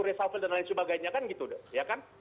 resafel dan lain sebagainya kan gitu loh ya kan